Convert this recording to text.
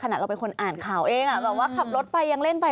เราเป็นคนอ่านข่าวเองแบบว่าขับรถไปยังเล่นไป